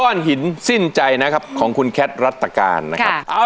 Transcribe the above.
ก้อนหินสิ้นใจนะครับของคุณแคทรัตการนะครับ